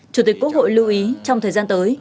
chủ tịch quốc hội lưu ý trong thời gian tới